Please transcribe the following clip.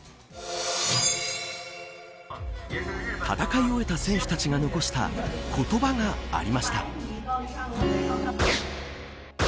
戦い終えた選手たちが残した言葉がありました。